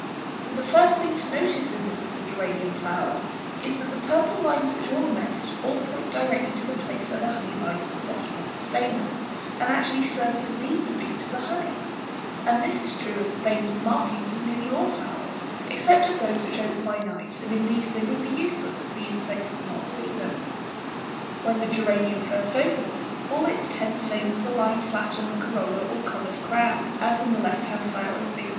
The first thing to notice in this little geranium flower is that the purple lines which ornament it all point directly to the place where the honey lies at the bottom of the stamens, and actually serve to lead the bee to the honey; and this is true of the veins and marking of nearly all flowers except of those which open by night, and in these they would be useless, for the insects would not see them. When the geranium first opens, all its ten stamens are lying flat on the corolla or coloured crown, as in the left hand flower in Fig.